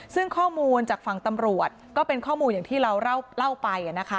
ซึ่งข้อมูลจากฝั่งตำรวจก็เป็นข้อมูลอย่างที่เราเล่าไป